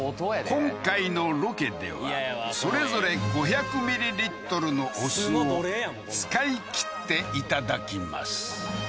今回のロケではそれぞれ５００ｍｌのお酢を使い切って頂きます